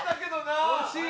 惜しい！